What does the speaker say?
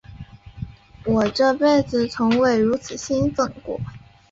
我这辈子从未如此兴奋过。